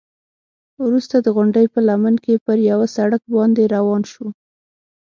وروسته د غونډۍ په لمن کې پر یوه سړک باندې روان شوو.